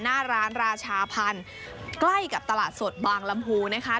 หน้าร้านราชาพันธุ์ใกล้กับตลาดสดบางลำพูนะคะ